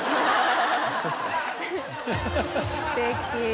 すてき。